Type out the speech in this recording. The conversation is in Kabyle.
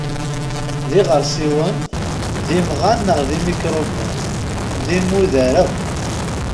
D iɣersiwen, d imɣan neɣ d imkruben, d imudar akk.